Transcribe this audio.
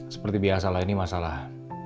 seperti biasa lah ini masalah